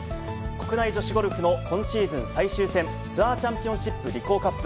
国内女子ゴルフの今シーズン最終戦、ツアーチャンピオンシップリコーカップ。